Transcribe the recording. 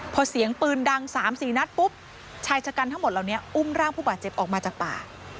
พอเสียงปืนดัง๓๔นัดปุ๊บชายชะกันทั้งหมดเหล่านี้อุ้มร่างผู้บาดเจ็บออกมาจากป่า